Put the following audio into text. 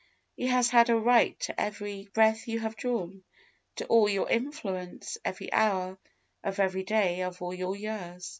_ He has had a right to every breath you have drawn, to all your influence, every hour, of every day of all your years.